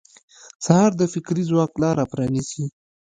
سهار د فکري ځواک لاره پرانیزي.